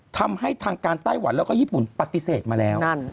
ทางการไต้หวันแล้วก็ญี่ปุ่นปฏิเสธมาแล้ว